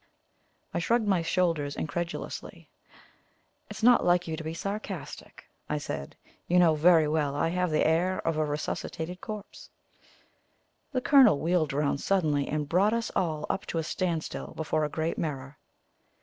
I shrugged my shoulders incredulously. "It is not like you to be sarcastic," I said. "You know very well I have the air of a resuscitated corpse." The Colonel wheeled round suddenly, and brought us all up to a standstill before a great mirror.